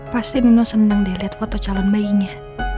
pasti nino seneng deh liat foto calon bayinya